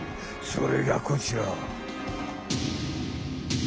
それがこちら。